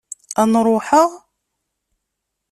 Ad n-ruḥeɣ?